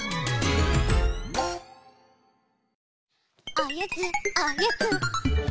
おやつおやつ！